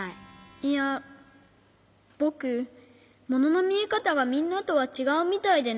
いやぼくもののみえかたがみんなとはちがうみたいでね。